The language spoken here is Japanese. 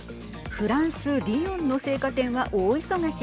フランス・リヨンの生花店は大忙し。